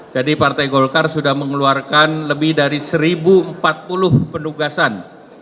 jadi partai golkar sudah mengeluarkan lebih dari seribu empat puluh penugasan